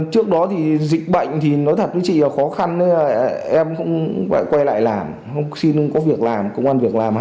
trước đó dịch bệnh thì nói thật với chị khó khăn em không phải quay lại làm không xin không có việc làm công an việc làm